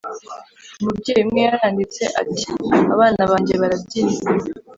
Umubyeyi umwe yaranditse ati abana banjye barabyinnye